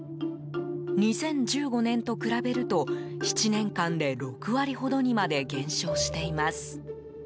２０１５年と比べると、７年間で６割ほどにまで減少しています。